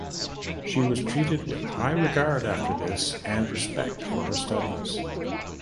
She was treated with high regard after this and respect for her studies.